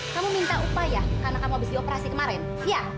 kamu minta upaya karena kamu habis dioperasi kemarin ya